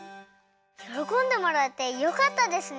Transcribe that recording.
よろこんでもらえてよかったですね。